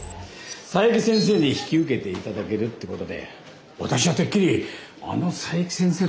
佐伯先生に引き受けていただけるってことで私はてっきりあの佐伯先生だと思ってたんですよ。